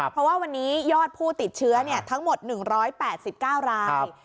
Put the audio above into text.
เพราะว่าวันนี้ยอดผู้ติดเชื้อทั้งหมด๑๘๙ราย